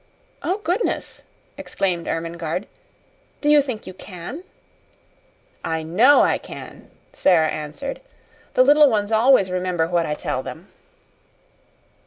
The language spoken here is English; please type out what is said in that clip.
"Oh, goodness!" exclaimed Ermengarde. "Do you think you can?" "I know I can," Sara answered. "The little ones always remember what I tell them."